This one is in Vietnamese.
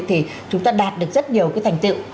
thì chúng ta đạt được rất nhiều cái thành tiệu